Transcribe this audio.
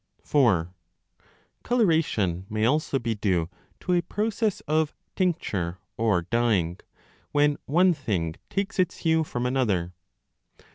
Coloration may also be due to a process of tincture 4 or dyeing, when one thing takes its hue from another.